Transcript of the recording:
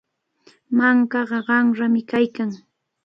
Mankaqa qanrami kaykan.